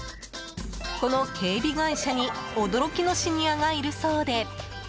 この警備会社に驚きのシニアがいるそうで。